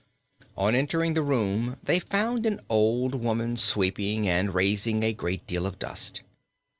On entering the room they found an old woman sweeping and raising a great deal of dust.